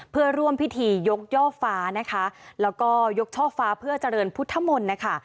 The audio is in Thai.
เพื่อร่วมพิธียกย่อฟ้าและยกช่อฟ้าเพื่อเจริญพุทธมนตร์